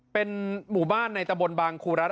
เป็นหมู่บ้านในตะบนบางครูรัฐ